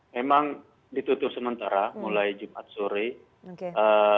memang ditutup sementara mulai jumat sore